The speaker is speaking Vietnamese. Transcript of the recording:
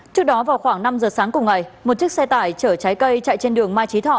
trước đó vào khoảng năm giờ sáng cùng ngày một chiếc xe tải chở trái cây chạy trên đường mai trí thọ